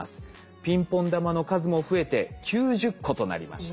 ピンポン玉の数も増えて９０個となりました。